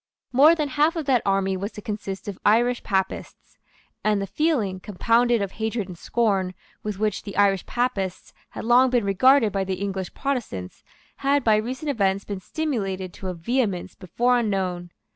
More than half of that army was to consist of Irish Papists; and the feeling, compounded of hatred and scorn, with which the Irish Papists had long been regarded by the English Protestants, had by recent events been stimulated to a vehemence before unknown.